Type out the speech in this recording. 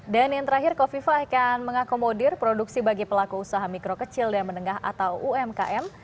dan yang terakhir kofifa akan mengakomodir produksi bagi pelaku usaha mikro kecil dan menengah atau umkm